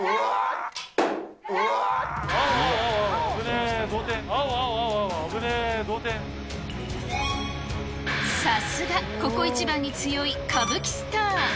あー、さすが、ここ一番に強い歌舞伎スター。